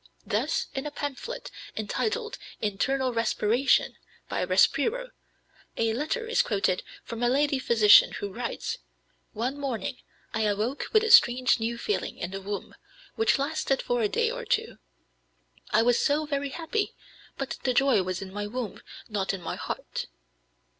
Thus, in a pamphlet entitled "Internal Respiration," by Respiro, a letter is quoted from a lady physician, who writes: "One morning I awoke with a strange new feeling in the womb, which lasted for a day or two; I was so very happy, but the joy was in my womb, not in my heart."